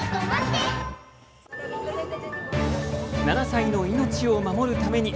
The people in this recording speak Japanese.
７歳の命を守るために。